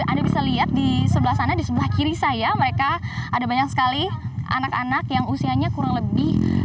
anda bisa lihat di sebelah sana di sebelah kiri saya mereka ada banyak sekali anak anak yang usianya kurang lebih